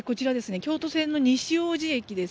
京都線の西大路駅です。